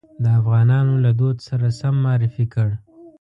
د افغانانو له دود سره سم معرفي کړ.